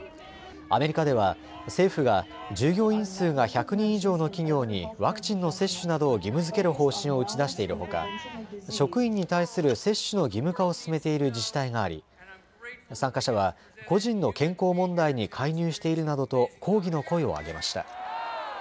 アメリカでは政府が従業員数が１００人以上の企業にワクチンの接種などを義務づける方針を打ち出しているほか職員に対する接種の義務化を進めている自治体があり参加者は個人の健康問題に介入しているなどと抗議の声を上げました。